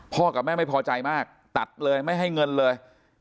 กับแม่ไม่พอใจมากตัดเลยไม่ให้เงินเลย